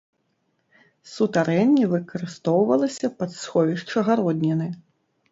Сутарэнне выкарыстоўвалася пад сховішча гародніны.